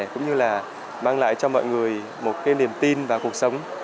cũng như là mang lại cho mọi người một cái niềm tin vào cuộc sống